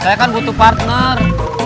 saya kan butuh partner